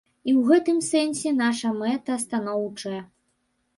І ў гэтым сэнсе наша мэта станоўчая.